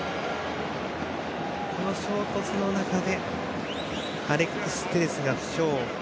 この衝突の中でアレックス・テレスが負傷。